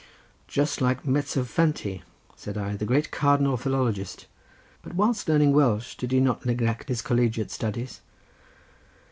"Just like Mezzofanti," said I, "the great cardinal philologist. But whilst learning Welsh, did he not neglect his collegiate studies?"